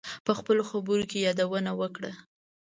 په خپلو خبرو کې یادونه وکړه.